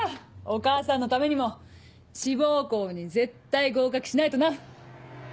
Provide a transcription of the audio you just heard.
お母さんのためにも志望校に絶対合格しないとな！